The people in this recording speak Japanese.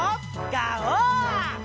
ガオー！